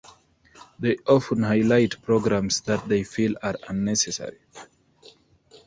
They often highlight programs that they feel are unnecessary.